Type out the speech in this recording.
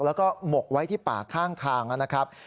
แล้วก็หมกไว้ที่ป่าข้างทางนะครับ